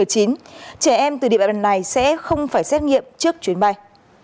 trẻ em từ địa bàn này sẽ không phải xét nghiệm trước chuyến bay